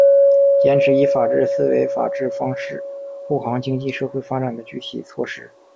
坚持以法治思维法治方式护航经济社会发展的具体措施